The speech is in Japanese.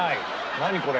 何これ？